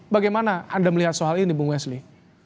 bagaimana anda melihat soal ini bung wesli